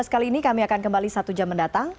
kali ini kami akan kembali satu jam mendatang